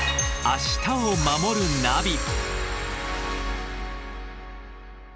「明日をまもるナビ」